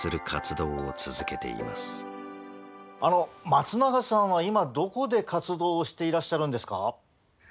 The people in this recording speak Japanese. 松永さんは今どこで活動をしていらっしゃるんですか？